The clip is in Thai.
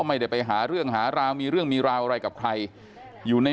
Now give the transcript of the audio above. ไม่ได้ไปหาเรื่องหาราวมีเรื่องมีราวอะไรกับใครอยู่ใน